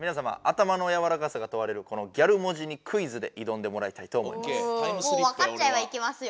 頭のやわらかさがとわれるこのギャル文字にクイズでいどんでもらいたいと思います。